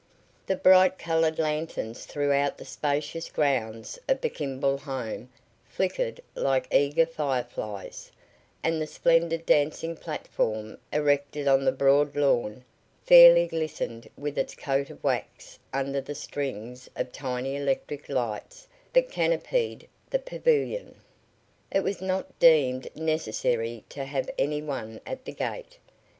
The bright colored lanterns throughout the spacious grounds of the Kimball home flickered like eager fireflies, and the splendid dancing platform, erected on the broad lawn, fairly glistened with its coat of wax under the strings of tiny electric lights that canopied the pavilion. It was not deemed necessary to have any one at the gate.